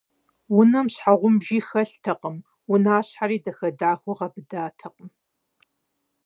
Унэм щхьэгъубжи хэлътэкъым, унащхьэри дахэ-дахэу гъэбыдатэкъым.